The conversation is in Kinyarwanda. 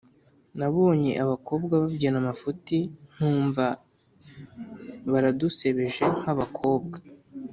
Nabonye abakobwa babyina amafuti ntumva baradusebeje nk’abakobwa